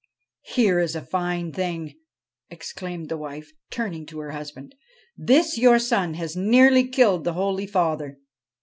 ' Here is a fine thing,' exclaimed the wife, turning to her husband. ' This your son has nearly killed the holy Father